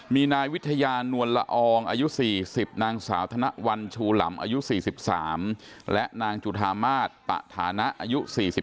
มีนายวิทยานวลละอองอายุ๔๐นางสาวธนวัลชูหลำอายุ๔๓และนางจุธามาศปะฐานะอายุ๔๓